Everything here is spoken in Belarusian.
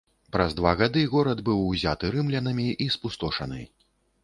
Праз два гады горад быў узяты рымлянамі і спустошаны.